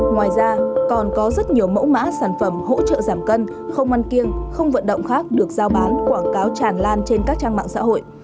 ngoài ra còn có rất nhiều mẫu mã sản phẩm hỗ trợ giảm cân không ăn kiêng không vận động khác được giao bán quảng cáo tràn lan trên các trang mạng xã hội